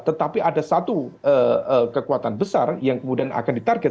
tetapi ada satu kekuatan besar yang kemudian akan ditarget